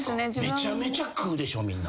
めちゃめちゃ食うでしょみんな。